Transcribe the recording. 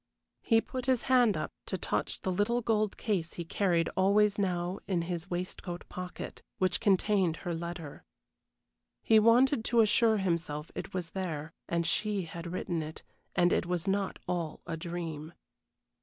He put his hand up to touch the little gold case he carried always now in his waistcoat pocket, which contained her letter. He wanted to assure himself it was there, and she had written it and it was not all a dream.